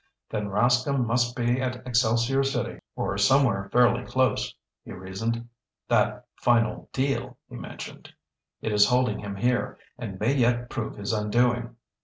"Then Rascomb must be at Excelsior City or somewhere fairly close," he reasoned. "That final 'deal' he mentioned! It is holding him here and may yet prove his undoing!"